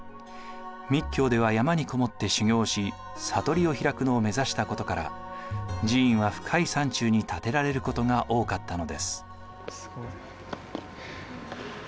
密教では山にこもって修行し悟りを開くのを目指したことから寺院は深い山中に建てられることが多かったのです。